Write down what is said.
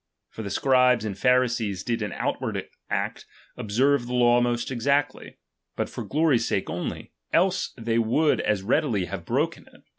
For the Scribes and Pharisees did in outward act observe the law most exactly, but for glory's sake only ; else they would as readily have broken it.